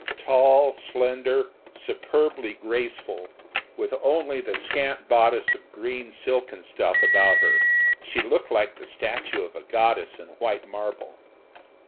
Tall, slender, superbly graceful, with only the scant bodice of green silken stuff about her, she looked like the statue of a goddess in white marble.